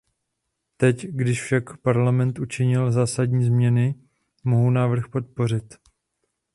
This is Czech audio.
Teď, když však Parlament učinil zásadní změny, mohu návrh podpořit.